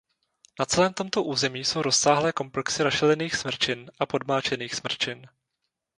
Na celém tomto území jsou rozsáhlé komplexy rašelinných smrčin a podmáčených smrčin.